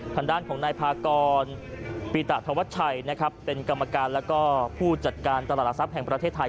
ทางด้านของนายพากรปิตะธวัชชัยนะครับเป็นกรรมการแล้วก็ผู้จัดการตลาดหลักทรัพย์แห่งประเทศไทย